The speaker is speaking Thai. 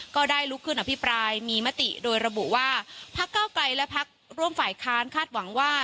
ก็ได้ลุกขึ้นอภิปรายมีมติโดยระบุว่าพักเก้าไกลและพักร่วมฝ่ายค้านคาดหวังว่า